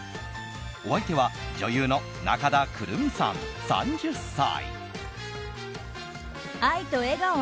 お相手は女優の中田クルミさん、３０歳。